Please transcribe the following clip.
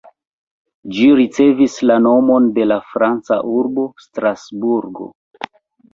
Ĝi ricevis la nomon de la franca urbo Strasburgo.